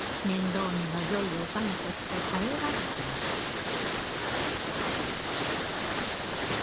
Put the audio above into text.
面倒見のよい女将として頼られています。